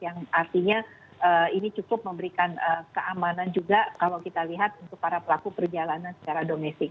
yang artinya ini cukup memberikan keamanan juga kalau kita lihat untuk para pelaku perjalanan secara domestik